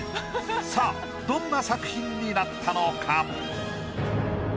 さあどんな作品になったのか？